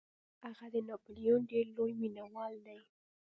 هغه د ناپلیون ډیر لوی مینوال دی.